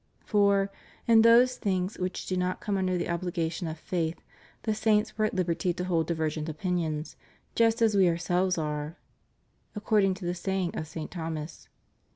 For "in those things which do not come under the obligation of faith, the saints were at liberty to hold divergent opinions, just as we ourselves are," ^ according to the saying of St. Thomas.